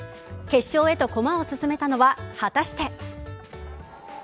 決勝へと駒を進めたのは果たして。